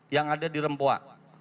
yang ada di rempoa